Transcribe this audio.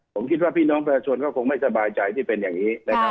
ผมคิดว่าพี่น้องประชาชนก็คงไม่สบายใจที่เป็นอย่างนี้นะครับ